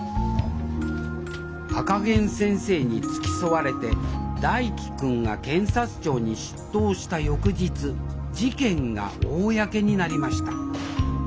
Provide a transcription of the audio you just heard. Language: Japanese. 赤ゲン先生に付き添われて大樹君が検察庁に出頭した翌日事件が公になりました。